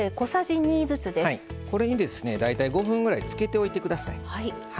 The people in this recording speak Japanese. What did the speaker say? これに大体５分ぐらいつけておいてください。